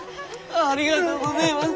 ありがとうごぜえます。